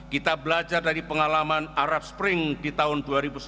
kita belajar dari pengalaman arab spring di tahun dua ribu sebelas